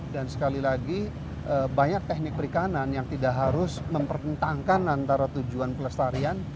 dan sekali lagi banyak teknik perikanan yang tidak harus mempertentangkan antara tujuan pelestarian